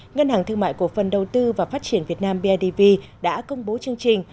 ngân hàng thương mại cổ phần đầu tư và phát triển việt nam bidv đã công bố chương trình